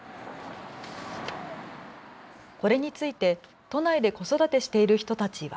これについて都内で子育てしている人たちは。